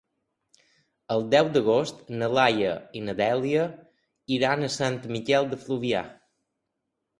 El deu d'agost na Laia i na Dèlia iran a Sant Miquel de Fluvià.